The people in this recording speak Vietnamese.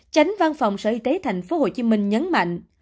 tránh văn phòng sở y tế tp hcm nhấn mạnh